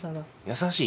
優しい？